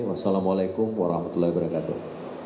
wassalamu alaikum warahmatullahi wabarakatuh